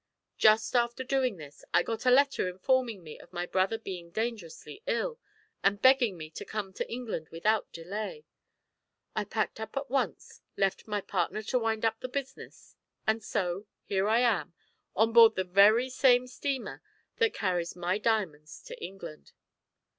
Just after doing this, I got a letter informing me of my brother being dangerously ill, and begging me to come to England without delay. I packed up at once, left my partner to wind up the business, and so, here I am, on board the very steamer that carries my diamonds to England."